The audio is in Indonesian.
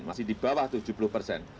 masih di bawah tujuh puluh persen